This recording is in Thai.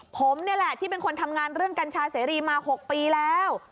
ผมนี่แหละที่เป็นคนทำงานเรื่องกัญชาเสรีมา๖ปีแล้ว